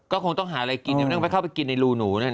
ก็คงต้องหาอะไรกินไม่ต้องไปเข้าไปกินในรูหนูนั่น